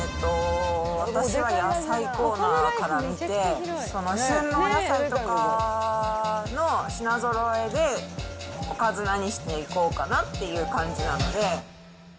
私は野菜コーナーから見て、旬のお野菜とかの品ぞろえで、おかず何していこうかなっていう感じなので。